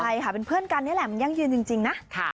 ใช่ค่ะเป็นเพื่อนกันนี่แหละมันยั่งยืนจริงนะ